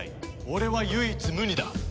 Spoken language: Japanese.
俺は唯一無二だ。